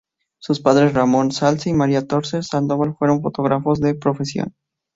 Sus padres, Ramón Zalce y María Torres Sandoval, fueron fotógrafos de profesión.